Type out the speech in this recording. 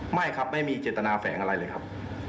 ไม่ครับไม่มีเจตนาแฝงอะไรเลยครับ